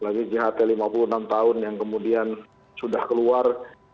lagi jht lima puluh enam tahun yang kemudian sudah keluar